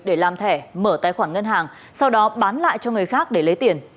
để làm thẻ mở tài khoản ngân hàng sau đó bán lại cho người khác để lấy tiền